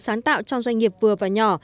sáng tạo trong doanh nghiệp vừa và nhỏ